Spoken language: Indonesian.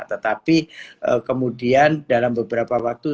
tetapi kemudian dalam beberapa waktu